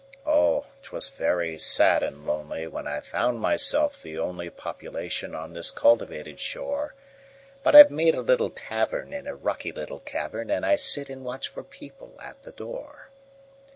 Oh! 'twas very sad and lonelyWhen I found myself the onlyPopulation on this cultivated shore; But I've made a little tavernIn a rocky little cavern, And I sit and watch for people at the door.